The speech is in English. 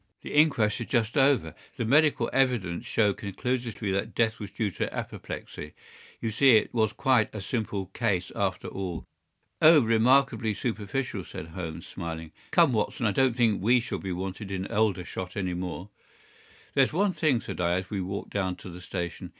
"The inquest is just over. The medical evidence showed conclusively that death was due to apoplexy. You see it was quite a simple case after all." "Oh, remarkably superficial," said Holmes, smiling. "Come, Watson, I don't think we shall be wanted in Aldershot any more." "There's one thing," said I, as we walked down to the station.